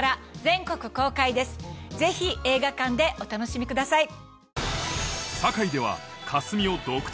ぜひ映画館でお楽しみください。